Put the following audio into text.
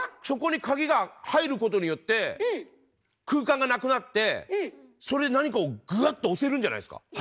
そこに鍵が入ることによって空間がなくなってそれで何かをぐっと押せるんじゃないですか？